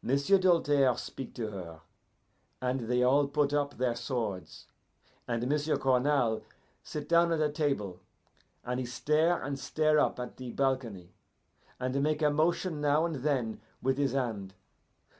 "M'sieu' Doltaire speak to her, and they all put up their swords, and M'sieu' Cournal sit down at a table, and he stare and stare up at the balcony, and make a motion now and then with his hand.